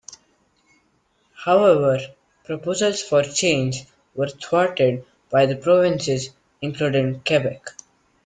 However, proposals for change were thwarted by the provinces, including Quebec.